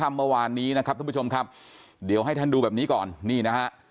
เมื่อวานนี้นะครับทุกผู้ชมครับเดี๋ยวให้ท่านดูแบบนี้ก่อนนี่นะฮะ